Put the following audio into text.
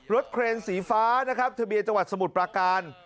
เครนสีฟ้านะครับทะเบียนจังหวัดสมุทรปราการ